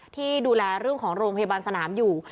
ที่ดูแลเรื่องของโรงพยาบาลสนามอยู่